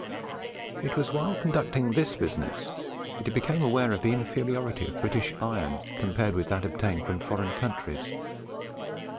It was while conducting this business that he became aware of the inferiority of British iron compared with that obtained from foreign countries.